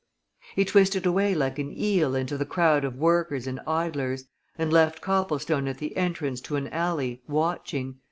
He twisted away like an eel into the crowd of workers and idlers, and left Copplestone at the entrance to the alley, watching.